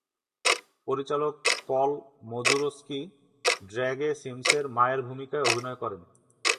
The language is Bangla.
পরিচালক পল মাজুরস্কি ড্র্যাগে সিমসের মায়ের ভূমিকায় অভিনয় করেন।